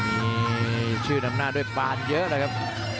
มีชื่อนำหน้าด้วยปานเยอะเลยครับ